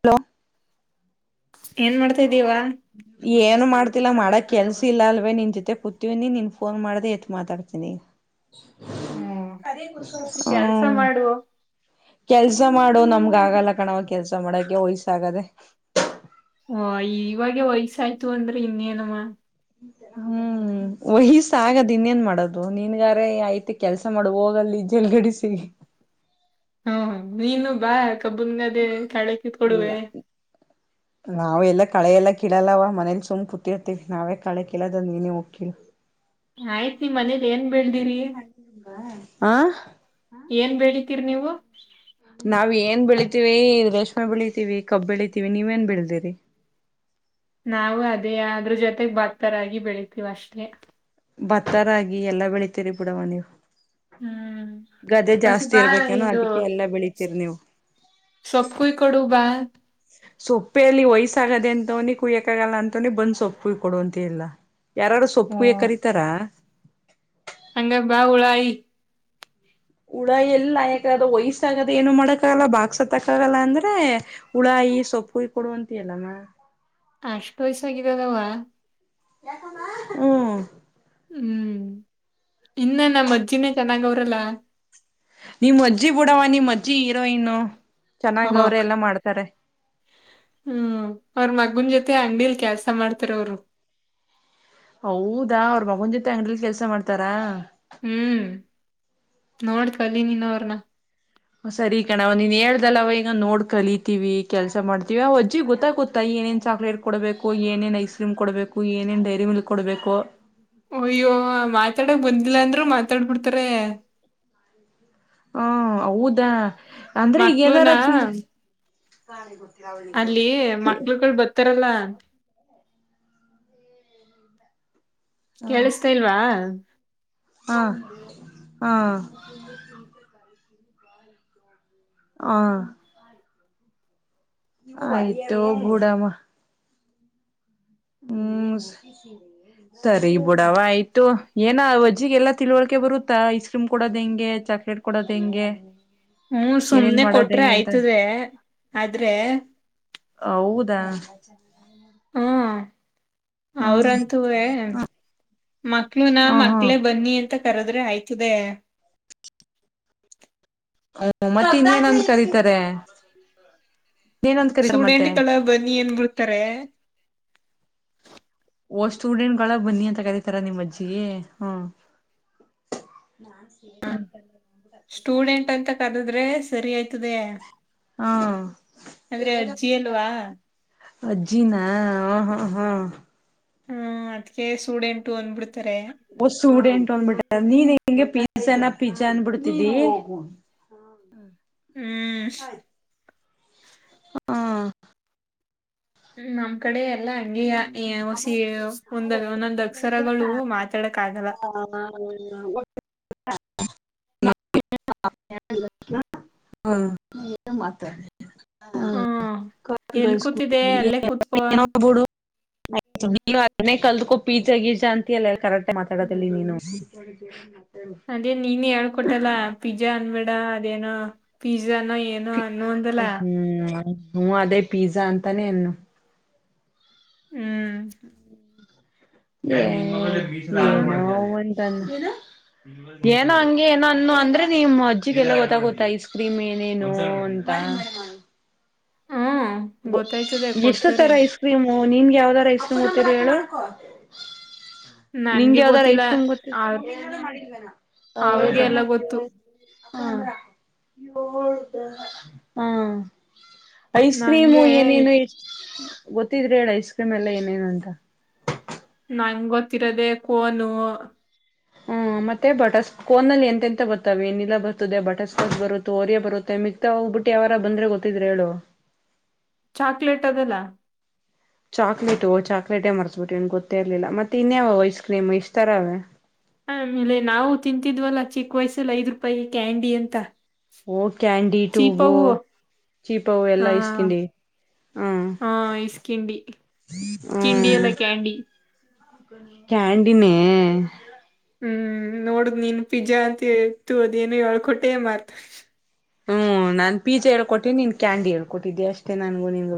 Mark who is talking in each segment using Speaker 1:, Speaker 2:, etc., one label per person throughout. Speaker 1: Hello
Speaker 2: ಏನ್ ಮಾಡ್ತಾ್ದೀವಾ
Speaker 1: ಏನು ಮಾಡ್ತಿಲ್ಲಾ ಮಾಡಕ್ ಕೆಲ್ಸ ಇಲ್ಲ ಅಲ್ವೇ ನಿನ್ ಜೊತೆ ಕೂತವನಿ ನೀನ್ ಫೋನ್ ಮಾಡ್ದ ಎತ್ ಮಾತಾಡ್ತೀನಿ
Speaker 2: ಹ್ಮ್
Speaker 1: ಹ್ ಕೆಲ್ಸ ಕೆಲ್ಸ ಮಾಡು ನಮ್ಗ ಆಗಲ್ಲ ಕಣವ ಕೆಲ್ಸ ಮಾಡಕ ವಯ್ಸ ಆಾಗದೆ
Speaker 2: ಹ ಇವಾಗೆ ವಯ್ಸಾಯ್ತು ಅಂದ್ರೆ ಇನ್ನೇನಮ್ಮ
Speaker 1: ಹ್ಮ್ ವಯ್ಸ ಆಗದ್ ಇನ್ನೇನ್ ಮಾಡೋದು ನೀನ್ಗಾರ ಐ್ತಿ ಕೆಲ್ಸ ಮಾಡ ಹೋಗಲ್ಲಿ ಜಲ್ಗಡಿಸಿ
Speaker 2: ಹ್ಮ ನೀನು ಬಾ ಕಬ್ಬುನ್ಗದೇ ಕಾಳ ಕತ್ ಕೊಡುವೆ
Speaker 1: ಇಲ್ಲ ಕಳೆಲ್ಲ ಕೀಳಲ್ಲವ ಮನೇಲಿ ಸುಮ್ ಕೂತಿಿರ್ತೀವಿ ನಾವೇ ಕಳೆ ಕಿಳದ ನೀನ ಹೋಗ್ ಕೀ
Speaker 2: ಆಯ್ತ್ ಮನೇಲಿ ಏನ್ ಬೆಳ್ದಿರಿ
Speaker 1: ಆ
Speaker 2: ಏನ್ ಬೆಡಿತೀರಿ ನೀವು
Speaker 1: ನಾವ್ ಏನ್ ಬೆಳಿತೀವಿ ರೇಷ್ಮೆ ಬೆಳಿತೀವಿ ಕಬ್ ಬೆಳಿತೀವಿ ನೀವ ಏನ್ ಬೆಳದಿರಿ
Speaker 2: ನಾಾವವು ಅದೇ ಅ್ರ ಜೊತೆಗ್ ಭಕ್ತರಾಗಿ ಬೆಳತಿೀವಿ ಅಷ್ಟೇ
Speaker 1: ಭತ್ತಾರಗಿ ಎಲ್ಲಾ ಬೆಳಿತೀರಿ ಬಿಡವ ನೀವು
Speaker 2: ಹ್ಮ್
Speaker 1: ಗದೆೆ
Speaker 2: ಹೊಸಿ
Speaker 1: ಜಾಸ್ತಿ
Speaker 2: ಬಾ
Speaker 1: ಇರ್ಬೇಕೇನೋ ಅದಕ್ಕೆ ಎಲ್ಲ ಬೆಳತಿೀರಿ ನೀವು
Speaker 2: ಸಬು ಕೈ ಕೊಡುಬಾ
Speaker 1: ಸೊಪ್ಪೆ ಅಲ್ಲಿ ವಯಸ್ಸಾಗದೆ ಅಂತವನಿ ಕುಯ್ಯಕಾಗಲ್ಲ ಅಂತವನಿ ಬಂದ್ ಸೊಪ್ಪು ಕೊಡುವಂತ ಇಲ್ಲ ಯಾರಾರು ಸೊಪ್ಪು ಕಯ ಕರೀತಾರಾ
Speaker 2: ಅಂಗ ಬಾವುಳಾಯಿ
Speaker 1: ಹುಳ ಎಲ್ಲ ಯಾಕ್ರ ವಯ್ಸ ಆಗದ ಏನು ಮಾಡಕ್ಕಾಗಲ್ಲ ಬಾಾಗಸತ್ತಕ್ಕ ಆಗಲ್ಲ ಅಂದ್ರೆ ಹುಳ ಕೈ ಸೊಪ್ಪ ಹ ಕೊಡುವಂತ ಅಲ್ಲಮ್ಮ
Speaker 2: ಅಷ್ಟ್ ವಯಸ್ಾಗಿದ್ದದವಾ
Speaker 1: ಹ್ಮ್
Speaker 2: ಹ್ಮ್ ಇನ್ನ ನ ಅಜ್ಜಿನೇ ಚೆನ್ನಾಗ ಅವ್ರಲ್ಲ
Speaker 1: ನಿಮ್ಮ್ ಅಜ್ಜಿ ಬಿಡವ ನಿಮ್ಮ್ ಅಜ್ಜಿ ಹೀರೋಯನು ಚೆನ್ನಾಗ
Speaker 2: ಓಹೋ
Speaker 1: ಅವ್ರೆ ಎಲ್ಲಾ ಮಾಡ್ತಾರೆ
Speaker 2: ಹ್ಮ್ ಅವ್ರ ಮಗನ್ ಜೊತೆ ಅಂಗೀಲ್ ಕೆಲ್ಸ ಮಾಡ್ತಾರ ಅವರು
Speaker 1: ಹೌದಾ ಅವ್ರ ಮಗನ ಜೊತೆ ಅಂಗಡಿಯಲಿ ಕೆಲ್ಸ ಮಾಡ್ತಾರಾ
Speaker 2: ಹ್ಮ್ ನೋಡ್ತಲ ನೀನ್ನವ್ರನ.
Speaker 1: ಸರಿ ಕಣ ಅವ ನೀನ್ ಹೇಳ್ದಲ್ಲ ಅವ ಈಗ ನೋಡ್ ಕಲಿತೀವಿ ಕೆಲ್ಸ ಮಾಡ್ತೀವಿ ಅವ ಅಜ್ಜಿ ಗೊತ್ತಾ ಗೊತ್ತಾ ಈ ಏನೇನ್ ಚಾಕ್ಲೇಟ್ ಕೊಡ್ಬೇಕು ಏನೇನ್ ಐಸ್ ಕ್ರೀಮ್ ಕೊಡ್ಬೇಕು ಏನೇನ್ ಡೈರಿ ಮಲ್ ಕೊಡ್ಬೇಕು
Speaker 2: ಅಯ್ಯೋ ಮಾತಾಡಕ್ ಬಂದಿಲ್ಲ ಅಂದ್ರು ಮಾತಾಡ್ಬಿಡ್ತಾರೆ
Speaker 1: ಹಾ ಹೌದಾ ಅಂದ್ರೆ ಈಗ ಏನಾರ
Speaker 2: ಮಕ್ಳುನ
Speaker 1: ಚ
Speaker 2: ಅಲ್ಲಿ ಮಕ್ಳುಗಳು ಬರ್ತಾರಲ್ಲ. ಕೇಳಿಸತಾ
Speaker 1: ಹಾ
Speaker 2: ಇಲ್ವಾ.
Speaker 1: ಹಾ ಹಾ ಹ ಆಯ್ತು ಬೂಡಮ್ಮ. ಮ್ಮಸ್ ಸರಿ ಬಿುಡವ ಆಯ್ತು ಏನ ವಜ್ಜಿಗೆ ಎಲ್ಲಾ ತಿಳವಳ್ಕೆ ಬರುತ್ತಾ ಐಸ್ ಕ್ರೀಮ್ ಕೊಡೋದ ಹೆಂಗೆ ಚಾಕ್ಲೇಟ್ಟ್ ಕೊಡೋದು ಹೆಂಗೆ
Speaker 2: ಹ್ಮ್
Speaker 1: ಏನೇನ್
Speaker 2: ಸುಮ್ನೆ
Speaker 1: ಮಾಡೋದ್
Speaker 2: ಕೊಟ್ರೆ
Speaker 1: ಹೆಂಗೆ ಅಂತ
Speaker 2: ಆಯ್ತದ ಆದ್ರೆ
Speaker 1: ಹೌದಾ.
Speaker 2: ಹಾರ್ [unintelligible]
Speaker 1: ಹ್ಮ್
Speaker 2: ಅವ್ರಂತೂ ಮಕ್ಳು ನ
Speaker 1: ಹ ಹಾ
Speaker 2: ಮಕ್ಳೇ ಬನ್ನಿ ಅಂತ ಕರದ ಆದ್ರೆ ಆಯ್ತದೆ
Speaker 1: ಹ್ಮ ಮತ್ತೆ ಇನ್ನೇನಂದ ಕರೀತಾರೆ [unintelligible] ಕರೀತಾರೆ ಮತ್ತೆ
Speaker 2: ಸ್ಟೂಡೆಂಟ್ಗಳ ಬನ್ನಿ ಏನ್ ಬಿಿಡ್ತಾರೆ
Speaker 1: ಓ್ಟುಡೆಂಟ್ಗಳ ಬನ್ನಿ ಅಂತ ಕರಿಿತಾರ ನಿಮ್ಮ್ ಅಜ್ಜಿಿಗೆ ಹ ನಾ ಸ ಸ [inaudible]
Speaker 2: ಅಂದ್ರೆ ಸರಿ ಆಯ್ತದ
Speaker 1: ಹಾ-
Speaker 2: ಅಲ್ವಾ
Speaker 1: ಅಜ್ಜಿಿನ ಹ ಹಾ ಹಾ
Speaker 2: ಹ್ಮ ಅದ್ಕ ಸೂಡೆಂಟು ಅಂದ್ಬಿಡ್ತ
Speaker 1: ಒ ಸ್ಟೂಡೆಂಟ್ ನೀನ್ ಹೆಂಗೆ ಪಿಜ್ಜಾನ ಪಿಜ್ಜಾ ಅನ್ಬಿಡ್ತಿದ್ದಿ
Speaker 2: ಹ್ಮ್
Speaker 1: ಹಾ-
Speaker 2: ನಮ್ ಕಡೆ ಎಲ್ಲಾ ಅಂಗಗೆ ಹಸಿ ಒಂದ ಒಂದೊಂದ್ ಅಕ್ಷರಗಳು ಮಾ
Speaker 1: ಹ ಒ [unintelligible] [unintelligible]
Speaker 2: ಹ್ಮ ಎಲ್ ಕೂತಿದೆ
Speaker 1: ನೀ
Speaker 2: ಅಲ್ಲೇ ಕೂತ್ಕೋ
Speaker 1: ಅದನೇ ಕಲ್ದಕೊಿಚೆಗೀಜಾ ಅಂತಿ ಅಲ್ಲ ಎ ಕರೆಕ್ಟ್ ಮಾತಾಡೋದಲ್ಲಿ ನೀನು
Speaker 2: ಅದೇ ನೀನ್ ಹೇಳ್ಕೊಟಲ್ಲ ಪಿಜ್ಜಾ ಅನ್ಬೇಡ ಅದೇನ ಪ ನಿಜಾನ ಏನೋ ಅನ್ನೋ ಅಂದಲ್ಲ
Speaker 1: ಹೂೂ ಅದೇ ಪಿಜಾ ಅಂತಾನೇ ಇನ್ನು
Speaker 2: ಹ್ಮ್
Speaker 1: ನ [unintelligible]
Speaker 2: ನೋಡು
Speaker 1: ಏನ ಹಂಗೆ ಏನ ಅನ್ನ ಅಂದ್ರೆ ನಿಮ್ ಅಜ್ಜಿಗೆಲ್ಲ ಗೊತ್ತಾಗುತ್ತೆ ಐಸ್ ಕ್ರೀಮ್ ಏನೇನು ಅಂತ
Speaker 2: [inaudible] ಹ್ಮ್ ಗೊತ್ತಾಯ್ತದೆ
Speaker 1: ಎಷ್ಟು ತರ
Speaker 2: ಕೊಡ್ತಾರೆ
Speaker 1: ಐಸ್ ಕ್ರೀಮು ಹ ನಿಮಗೆ ಯಾವ್ದ ರೈಸ್ ಬತೀರಿ ಹೇಳು
Speaker 2: ನನ್ಗೆ
Speaker 1: ನಿಂಗೆ ಯಾವ್ದಾರ
Speaker 2: ಗೊತ್ತಿಲ್ಲ
Speaker 1: ಐಸ್ ಕ್ರೀಮ್ ಗೊತ್ತ
Speaker 2: ಅವ್ರ
Speaker 1: ಹ್ಮ
Speaker 2: ಅವ್ರಗೆ ಎಲ್ಲ ಗೊತ್ತು
Speaker 1: ಹ್ಮ್ ಐಸ್ ಕ್ರೀಮು
Speaker 2: ನಂಗೆ
Speaker 1: ಏನೇನು ಗೊತ್ತಿದ್ರಿ ಹೇಳ ಐಸ್ ಕ್ರೀಮ್ ಎಲ್ಲ ಏನೇನು ಅಂತ
Speaker 2: ನಂ ಗೊತ್ತಿರೋದೆ ಕೋನು
Speaker 1: ಹ್ಮ್ ಮತ್ತೆ ಬರ್ ಕೋನಲ್ಲಿ ಎಂತೆ ಎಂತ ಬರ್ತಾವೆ ನೀಲ್ಲಾ ಬರ್ತದೆ ಬಟರ್ ಸ್ಕಾಕ್ ಬರುತ್ತೆ ಒರಿಯ ಬರುತ್ತೆ ಮಿಗ್ತಾ ಬುಟ್ಟಿ ಯ ಅವಾರ ಬಂದ್ರೆ ಗೊತ್ತಿದ್ರೆ ಹೇಳು
Speaker 2: ಚಾಕ್ಲೇಟ್ ಅದೆಲ್ಲ
Speaker 1: ಚಾಕ್ಲೇಟ ಚಾಕ್ಲೇಟೇ ಮರ್ಸ್ಬಿಟ್ಟು ಏನ್ ಗೊತ್ತೇ ಇರ್ಲಿಲ್ಲ ಮತ್ತೆ ಇನ್ಯವ ಐಸ್ ಕ್ರೀಮ್ ಇಷ್ಟ್ತರ ಅವೇ
Speaker 2: ಆಮೇಲೆ ನಾವು ತಿಂತಿದ್ವಲ್ಲ ಚಿಕ್ಕ ವಯಸ್ಸಲ್ಲಿ ಐದ್ ರೂಪಾಯಿ ಕ್ಯಾಂಡಿ ಅಂತ
Speaker 1: ಓ ಕ್ಯಾಂಡಿ ಟೂಬು
Speaker 2: ಚೀಪವು
Speaker 1: ಚೀಪ
Speaker 2: ಹಾ
Speaker 1: ಎಲ್ಲಾ ಇಸ್ಕಂಡಿ ಹ್ಮ್
Speaker 2: ಹಾ ಇಸ್ಕಿಂಡಿ ಕಿಂಡಿ ಎಲ್ಲ ಕ್ಯಾಂಡಿ
Speaker 1: ಕ್ಯಾಂಡಿನ
Speaker 2: ಹ್ಮ್ ನೋಡ್ದ್ ನೀನ್ ಪಿಜ್ಜಾ ಅಂತ ಇೇಳ್ತು ಅದೇನು ಎಳ್ಕೊಟೆ ಮಾಡ್ತ
Speaker 1: ಹ್ಮ್ ನಾನ್ ಪೀಜ್ಜ ಹೇಳ್ಕೊಟ್ಟಿದ್ದಿನ್ ಕ್ಯಾಂಡಿ ಹೇಳ್ೊಟ್ಟಿದ್ದಿ ಅಷ್ಟೇ ನನ್ಗು ನಿನ್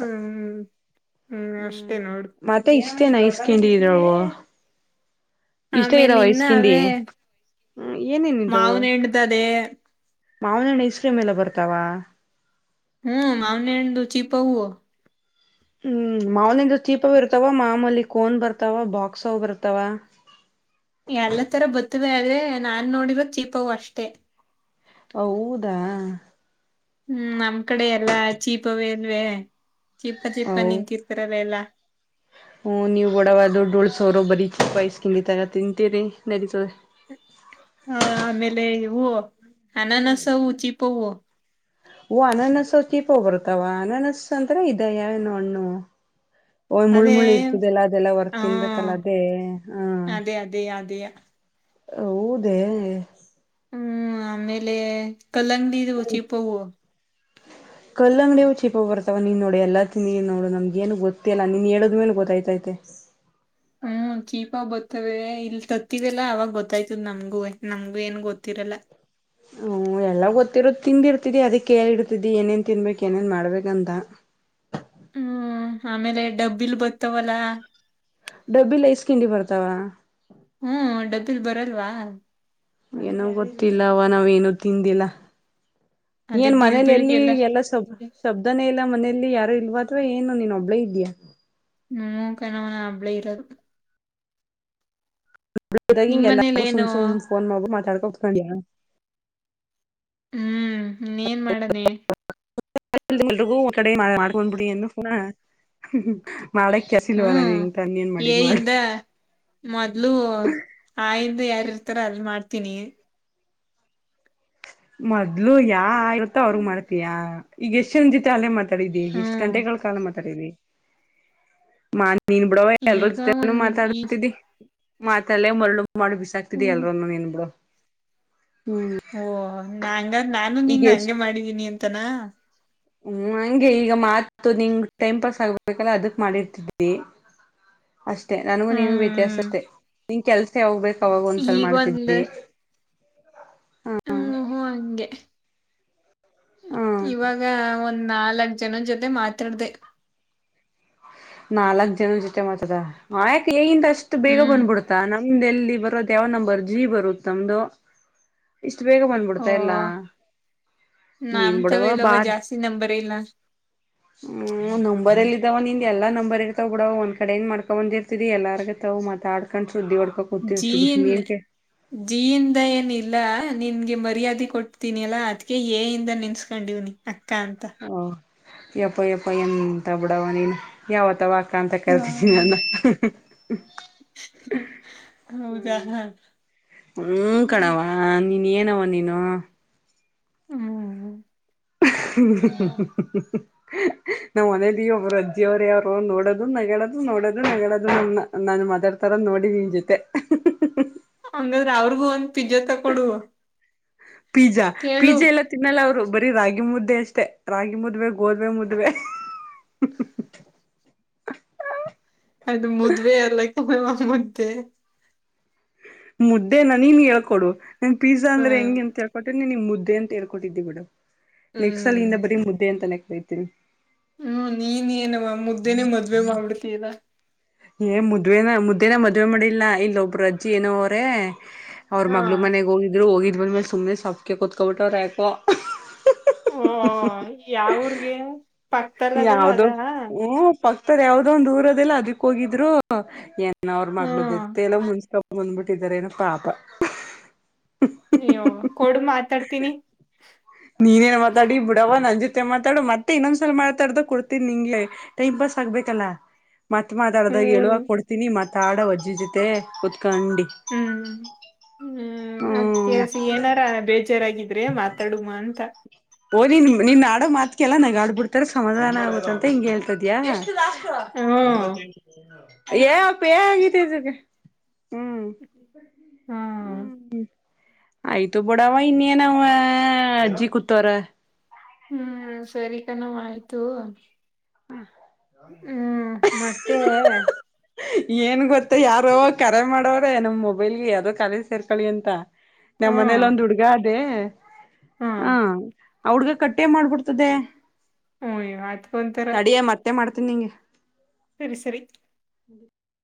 Speaker 2: ಹ್ಮ್ ಅಷ್ಟೇ
Speaker 1: ಹ್ಮ್
Speaker 2: ನೋಡು
Speaker 1: ಮತ್ತ ಇ ಇಷ್ಟೇನ್ ಐಸ್ ಕಿಂಡಿ ಇದ್ರ ಇಷ್ಟ
Speaker 2: ಆಮೇಲೆ
Speaker 1: ಇದಾವ ಐಸ್
Speaker 2: ಇನ್ನ
Speaker 1: ಕಿಂಡಿ
Speaker 2: ಅವೇ
Speaker 1: ಹ್ಮ ಏನೇನಿದ್ದವು
Speaker 2: ಮಾವನ ಹಣ್ಣ್ದದೆ
Speaker 1: ಮಾವನಹಣ್ಣ ಐಸ್ ಕ್ರೀಮ್ ಎಲ್ಲ ಬರ್ತಾವ
Speaker 2: ಹ್ಮ ಆನೆ ಎು ಚಿಪವು
Speaker 1: ಹ್ಮ್ ಮಾಮೂಲಿಿಂದ ದೀಪ ಇರ್ತಾವ ಮಾಮೂಲಿ ಕೋನ್ ಬರ್ತಾವ ಬಾಕ್ಸ್್ ಬರ್ತಾವ
Speaker 2: ಎಲ್ಲ ತರ ಬತ್ತವೆ ಆದ್ರೆ ನಾನ್ ನೋಡಿರೋ ಚೀಪವು ಅಷ್ಟೆ
Speaker 1: ಹೌದಾ
Speaker 2: ಹ್ಮ್ ನಮ್ ಕಡೆ ಎಲ್ಲಾ ಚೀಪವೇ ಅಲ್ವೆ ಚೀಪ ಚೀಪ್ಪ ನಿಂತಿರ್ತಾರಲ್ಲ ಎಲ್ಲಾ
Speaker 1: ಹ್ಮ್ ನೀವು ಗಡವಾದ ಡೋಳ್ಸ ಅವರು ಬರೀ ಚಿ ವಸ್ಕಿತರ ತಿಂತೀರಿ ನಡೀತದೆ
Speaker 2: ಹ ಆಮೇಲೆ ಹೂ ಅನಾನಸ ಹೂ ಚೀಪವು
Speaker 1: ಓ ಅನನಸ ಚೀಪ ಹೋಗ್ ಬರ್ತಾವ ಅನನಸ್ ಅಂದ್ರ ಇದ ಯ ನೋಣ್ಣು ಒಓ್ ಮುಳು
Speaker 2: ಅದೇ
Speaker 1: ಮುಳಿ ಇರ್ತದೆಲ್ಲ ಅದೆಲ್ಲ ಹೊರ್
Speaker 2: ಹಾ
Speaker 1: ತಿನ್ಬೇಕಕ್ಲ್ಲ ಅದೇ ಹಹ
Speaker 2: ಅದೇ ಅದೇ ಅದೇ
Speaker 1: ಹೌದ
Speaker 2: ಹ್ಮ್ ಆಮೇಲೆ ಕಲಂಗಡಿಿ ಚಿಪ ಹವು
Speaker 1: ಕಲ್ಲ ಅಂಗಡಿಯವು ಚೀಪ ಬರ್ತವ ನೀನ್ ನೋಡಿ ಎಲ್ಲ ತಿ ನೀ ನೋಡು ನಮ್ಗೇನು ಗೊತ್ತಿಲ್ಲ ನೀನ್ ಹೇಳೋಿದ್ ಮೇನ್ ಗೊತ್ತಾಯ್ತೈತೆ
Speaker 2: ಹ್ಮ್ ಚೀಪ ಬೊತ್ತತವೆ ಇಲ್ ತತ್ತಿದೆಲ್ಲ ಅವಾಗ ಗೊತ್ತಾಯ್ತದ ನಮ್ಗೂ ನಮ್ಗೂ ಏನ್ ಗೊತ್ತ ಇರಲ
Speaker 1: ಹ್ಮ್ ಎಲ್ಲ ಗೊತ್ತಿರೋ ತಿಂದಿರ್ತಿದಿ ಅದ ಕೇಳಿ ಇರ್ತಿದಿ ಏನೇನ್ ತಿನ್ಬೇಕಕ್ ಏನೇನ್ ಮಾಡ್ಬೇಕಂತ
Speaker 2: ಹ್ಮ ಆಮೇಲೆ ಡಬ್ಬಿಲ್ ಬ
Speaker 1: ಡಬ್ಬಿ ಲ ೈಸ್ ಕಿಂಡಿ ಬರ್ತಾವ
Speaker 2: ಹ್ಮ್ ಡಬ್ಬಲ್ ಬರಲ್ವಾ
Speaker 1: ಏನೋ ಗೊತ್ತಿಲ್ಲವ ನಾವ್ೇಏನೂ ತಿಂದಿಲ್ಲ
Speaker 2: ಅದೇ
Speaker 1: ಏನ್
Speaker 2: ಬಿಳ್
Speaker 1: ಮನಲಿ ಎಲ್ಲಿ
Speaker 2: ಬಿಳ್ಗೆಲ್ಲ
Speaker 1: ಎಲ್ಲ ಶ ಶಬ್ದಾನೇ ಇಲ್ಲ ಮನೆಯಲ್ಲಿ ಯ ಇಲ್ವಾಥವಾ ಏನು ನೀನ್ ಒಬ್ಬಳೇ ಇದ್ಯಾಾ
Speaker 2: ಹ್ಮ ಕ ನವನ ಹಬ್ಳೇ ಇರೋದು
Speaker 1: ನಿದಾಗ
Speaker 2: ನಿಮ್
Speaker 1: ಹಿಗೆ
Speaker 2: ಮನೇಲಿ
Speaker 1: ಎಲ್ಲರಿಗು ಸುಮ್
Speaker 2: ಏನು
Speaker 1: ಸು್ ಫೋನ್ ಮಾಡ್ಬ ಮಾತಾಡ್ಕೊ ಕುತ್ಕೊಂಡ
Speaker 2: ಹ್ಮ್ ನೀ ಏನ್ ಮಾಡಣ
Speaker 1: ಎಲ್ರಿಗೂ ಒ ಕಡೆ ಮಾಡ್ಕೊಂಡ್ಬಿಡಿ ಅ ಕಣ
Speaker 2: ಹ್ಮ್
Speaker 1: ಮಾಡು
Speaker 2: ಯಿಂದ ಮೊದ್ಲು ಆಯ ಯಾರ ಇರ್ತಾರ ಅಲ್ ಮಾಡ್ತೀನಿ
Speaker 1: ಮೊದ್ಲು ಯಾ ಇತ್ತ ಅವ್ರಗ್ ಮಾಡ್ತಯಾ ಈಗ ಎಷ್ಟ ಜನ್ ಜತೆ ಅಲ್ಲೇ ಮ ಮಾತಾಡೀಿ ಈ ಎಷ್ಟ
Speaker 2: ಹ್ಮ್
Speaker 1: ಗಂಟೆಗಳ ಕಾಲ ಮಾತಾಡೀವಿ ಮಾನ್ ನೀನ್ ಬಿಡವ ಎಲ್ರ
Speaker 2: ಈಗ
Speaker 1: ಜೊತೆನು
Speaker 2: ಒಂದ್ ಈ
Speaker 1: ಮಾತಾಡ್ತಿದ್ದಿ ಮಾತಲ್ಲೇ ಮರಳು ಮಾಡಿ ಬಿಸಾಕ್ತಿದ
Speaker 2: ಹ್ಮ್
Speaker 1: ಎಲ್ರನು ಏನ್ ಬಿಡು
Speaker 2: ಓ ನಂಗ ನಾನು ನಿಂಗ ಹಂಗೆ ಮಾಡಿದೀನಿ ಅಂತಾನ
Speaker 1: ಹ್ಮ ನಂಗೆ ಈಗ ಮಾತು ನಿಂಗ ಟೈಮ್ ಪಾಸ್ ಆಗ್ಬೇಕಲ್ಲ ಅದಕ್ ಮಾಡಿರ್ತಿದ್ಟಿ ಅಷ್ಟೆ ನನಗೂ ನೀನ್ಗೂ
Speaker 2: ಹ್ಮ್
Speaker 1: ವ್ಯತ್ಯಾಸ ಅೆ ನಿನ್ ಕೆಲಸ ಯಾವ್ ಬೇಕ ಅವಾಗ ಒಂದ್ಸಲ
Speaker 2: ಈಗ ಒಂದ್
Speaker 1: ಮಾಡ್ತಿದಿ
Speaker 2: ಹ್ಮ್ ಹ ಹಗೆ
Speaker 1: ಹ್ಮ್
Speaker 2: ಇವಾಗ ಒಂದ್ ನಾಲ್ಕ್ ಜನ ಜೊತೆ ಮಾತಾಡ್ದ
Speaker 1: ನಾಲ್ಕ್ ಜನ ಜೊತೆ ಮಾತ್ರದ ಆಯಾಕೆ ಹೇಗಿಂದ ಅಷ್ಟು ಬೇಗ
Speaker 2: ಹ್ಮ್
Speaker 1: ಬಂದ್ಬಿಡ್ತಾ ನಮ್ದೆ ಎಲ್ಲಿ ಬರೋದು ಯವ ನಂಬರ್ ಜಿ ಬರುತ್ತಮ್ದು ಇಷ್ಟ ಷ್ಟ ಬೇಗ
Speaker 2: ಓ
Speaker 1: ಬಂದ್ಬಿಡ್ತಾಲ್ಲ ನೀನ್
Speaker 2: ನಮ್ತವ
Speaker 1: ಬಿಡುವ
Speaker 2: ಇಲ್ಲವ
Speaker 1: ಬಾರ್
Speaker 2: ಜಾಸ್ತಿ ನಂಬರ್ ಇಲ್ಲ
Speaker 1: ಹ್ಮ್ ನಂಬರ್ ಎಲ್ಲ ಇದಾವ ನಿನ್ ಎಲ್ಲ ನಂಬರ್ ಇರ್ತಾವ ಬಿಡವ ಒಂದ ಕಡೆ ಏನ್ ಮಾಡ್ಕೊ ಬಂದಿರ್ತತಿ ಎಲ್ಲಾರ್ಗತಾವ್ ಮಾತಾಡ್ಕೊಂಡ
Speaker 2: ಜೀನ್ ಜೀಿಯಿಂದ ಏನಿಲ್ಲ ನಿನ್ಗೆ ಮರ್ಯಾದೆ ಕೊಡ್ತೀನಿ ಅಲ್ಲಾ ಅದ್ಕ ಏಯಿಂದ ನೆನ್ಸ್ಕೊಂಡಿವ್ನಿ ಅಂತ
Speaker 1: ಓ ಯಪ್ಪ ಯಪ್ಪ ಎಂತ ಬಡಾವ ನೀನು ಯಾವತ್ತವಾ [unintelligible] [unintelligible] ಯತು ಕಲ್ತಿದಿ
Speaker 2: ಹ್ಮ
Speaker 1: [unintelligible]
Speaker 2: ಹೌದಾ
Speaker 1: ಹ್ಮ
Speaker 2: ಹಾ
Speaker 1: ಹ್ಮ ಕಣಾವ ನೀ ಏನವ ನೀನು
Speaker 2: ಹ್ಮ್
Speaker 1: [unintelligible] ನಮ್ ಮನೇಲಿ ಒಬ್ಬರು ಅಜ್ಜಿಯ ಅವರು ಯಾರು ನೋಡೋದು ನ [unintelligible] [unintelligible] ನಗಳೋದು ನೋಡೋದು ನೆಗಳೋದು ನನ್ನ ನಾನು ಮದರ ಥರ ನೋಡಿ ನೀನ್ ಜೊತೆ
Speaker 2: ಹಂಗಾದ್ರೆ ಅವ್ರಿಗೂ ಒಂದ್ ಪಿಜ್ಜಾ ತಕೊಡುವ
Speaker 1: ಪೀಜಾ ಪಿಜ್ಜ ಎಲ್ಲ ತಿನ್ನಲ್ಲ ಅವ್ರು ಬರಿ ರಾಗಿ ಮುದ್ದೆ ಅಷ್ಟೇ ರಾಗಿ ಮುದ್ವೆ ಗೋದ್ವೆೆ ಮುದ್ವೆ
Speaker 2: ಅದು ಮುದುವ ಎಲ್ಲ ಮುದ್ದೆ
Speaker 1: ಮುದ್ದೆನ ನೀನ್ ಹೇಳ್ಕೊಡು ನನ್ ಪಿಜ್ಯ
Speaker 2: ಹ
Speaker 1: ಅಂದ್ರೆ ಹೆಂಗಗೆ ಅಂತ ಹೇಳ್ಕೊಟ್ರೆ ನೀ ಮುದ್ದ ಮುದ್ದೆ ಅಂತ ಹೇಳ್ಕೊಟ್ಟಿದ್ದ್ವಿ ಬಿಡ
Speaker 2: ಹ್ಮ್
Speaker 1: ನೆಕ್ಸ್ಸಲ್ ಇಂದ ಬರೀ ಮುದ್ದೆ ಅಂತೆತಾ ಇದತೀನಿ
Speaker 2: ಹ್ಮ್ ನೀನ್ಯ ಏನವ ಮುದ್ದೇನೆ ಮದ್ವೆ ಮಾಡ್ತೀರಾ
Speaker 1: ಏ ಮುದ್ವೆೇನ ಮುದ್ದೇನ ಮದ್ವೆ ಮಾಡಿಲ್ಲಾ ಇಲ್ಲ ಒಬ್ರು ಅಜ್ಜಿ ಏನೋ ಅವ್ರೇ ಅವ್ರ
Speaker 2: ಹಾ
Speaker 1: ಮಗಳು ಮನೆಗ್ ಹೋಗಿದ್ರು ಹೋಗಿದ್ ಬಂದ್ಮೇಲೆ ಸುಮ್ನೆ ಸೊಪ್ಪಕ ಕುೂತ್ಕೊಬಿಟ್ಟ ಅವ್ರು ಯಾಕೋ
Speaker 2: ಹ್ಮ ಯಾವೂರಿಗೆ
Speaker 1: ಯಾವ್ದೋ ಹ್ಮ ಪ [unintelligible] [unintelligible] ಆತರ್ ಯಾವದೋಂದಂದು ದೂರದಲ್ಲ ಅದಕ್ಕ ಹೋಗಿದ್ರು ಏನ್ ಅವರು
Speaker 2: ಹ್ಮ್
Speaker 1: ಮಗ್ಳದತ್ತ ಎಲ್ಲ ಮುನಿಸಿಕೊಂಡು ಬಿಟ್ಟರೆ ಬಂದ್ಬಿಟ್ಟಿದಾರೆನೊ ಪಾಪ
Speaker 2: ಅಯ್ಯೋ ಕೊಡು ಮಾತಾಡ್ತೀನಿ
Speaker 1: ನೀನ್ಯ ಯನ್ ಮಾತಾಡಿ ಬಿಡವ ನನ್ ಜೊತೆ ಮಾತಾಡು ಮತ್ತೆ ಇನ್ನೊಂದ್ಸಲ ಮಾತಾಡ್ದಗ ಕೊಡ್ತನಿ ನಿಂಗೆ ಟೈಮ್ ಪಾಸ್ ಆಬೇಕಲ್ಲ ಮತ್ ಮಾತಾಡದಾಗ
Speaker 2: ಹ್ಮ್
Speaker 1: ಎಳುವಾಗ ಕೊಡ್ತೀನಿ ಮಾತಾಡು ಅಜ್ಜಿ ಜೊತೆ ಕುತ್ಕಂಡಿ
Speaker 2: ಹ್ಮ್ ಹ್ಮ್ ಅದ
Speaker 1: ಹ್ಮ್
Speaker 2: ಕೆಲ್ಸಿ ಏನಾರ ಬೇಜಾರಾಗಿದ ಆದ್ರೆ ಮಾತಾಡುವ ಅಂತ
Speaker 1: ಓ ನೀನ್ ನಿನ್ ಆಡೋ ಮಾತ್ಕಲ್ಲ ನಾಗಾಡಬಿಡ್ತಾರೆ ಸಮಾಧಾನ ಆಗುತ್ತ ಅಂತ ಹಿಂಗೆ ಹೇಳ್ತದ್ಯಾ
Speaker 2: ಹ್ಮ್
Speaker 1: ಏ ಪೇ ಆಗಿದೆಕ್ಕೆ ಹ್ಮ್
Speaker 2: ಹ್ಮ್
Speaker 1: ಹ್ಮ ಆಯ್ತು ಬಡವಾ ಇನ್ನ ನ ಅಜ್ಜಿ ಕು [unintelligible] [unintelligible] ತರ
Speaker 2: ಹ್ಮ್ ಸರಿ ಕಣಮ್ಮ್ ಆಯ್ತು
Speaker 1: ಹ್ಮ [unintelligible]
Speaker 2: ಹ್ಮ್ ಮತ್ತೆ
Speaker 1: ಏನ್ ಗೊತ್ತ ಯಾರೋ ಕರೆ ಮಾಡವ್ರೆ ನಮ್ ಮೊಬೈಲ್ಗೆ ಯಾವ್ದೋ ಕರೆ ಸೇರ್ಕಳಿ ಅಂತ ನಮ್ಮ್ ಮನೇಲಿ
Speaker 2: ಹ್ಮ
Speaker 1: ಒಂದು ಹುಡ್ಗ ಅದೇ
Speaker 2: ಹ್ಮ
Speaker 1: ಹಾ [unintelligible] ಅವಡ್ಗ ಕಟ್ಟೆ ಮಾಡ್ಬಿಡ್ತದೆ
Speaker 2: ಓಯ ಆಯ್ತ
Speaker 1: ತಡಿಯ ಮತ್ತೆ ಮಾಡ್ತೀನಿ ನಿಂಗೆ
Speaker 2: ಸರಿ ಸರಿ
Speaker 1: ಮುಡಿ